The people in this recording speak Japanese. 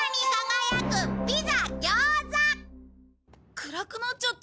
暗くなっちゃった。